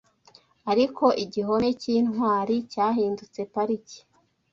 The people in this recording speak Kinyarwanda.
ariko igihome cyintwari cyahindutse parike